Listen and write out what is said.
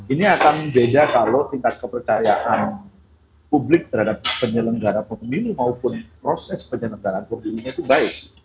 ini akan beda kalau tingkat kepercayaan publik terhadap penyelenggara pemilu maupun proses penyelenggaraan pemilunya itu baik